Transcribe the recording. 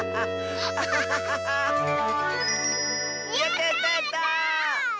やったやった！